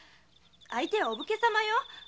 相手はお武家様よ。